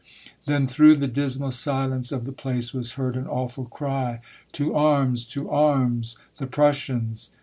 52 Monday Tales, "■ Then through the dismal silence of the place was heard an awful cry, * To arms ! to arms ! the Prussians